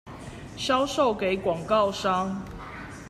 銷售給廣告商